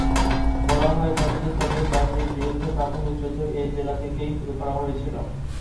বলা হয়ে থাকে যে, সোভিয়েত বাহিনীর বিরুদ্ধে প্রাথমিক যুদ্ধ এই জেলা থেকেই শুরু করা হয়েছিল।